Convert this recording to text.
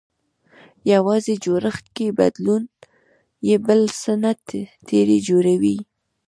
يوازې جوړښت کې بدلون يې بل څه نه ترې جوړوي.